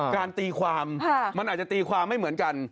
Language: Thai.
ตีความมันอาจจะตีความไม่เหมือนกัน